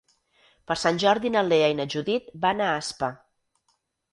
Per Sant Jordi na Lea i na Judit van a Aspa.